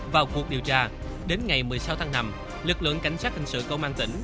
vào cuộc điều tra đến ngày một mươi sáu tháng năm lực lượng cảnh sát hình sự công an tỉnh